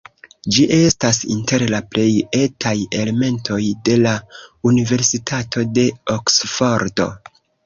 Ĝi estas inter la plej etaj elementoj de la Universitato de Oksfordo.